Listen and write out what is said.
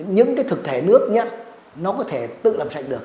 những cái thực thể nước nhận nó có thể tự làm sạch được